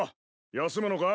休むのか？